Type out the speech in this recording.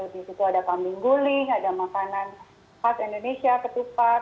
di situ ada kambing guling ada makanan khas indonesia ketupat